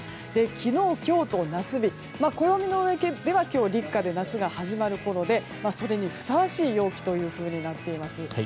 昨日、今日と夏日暦の上では今日立夏で、夏が始まるころでそれにふさわしい陽気というふうになっています。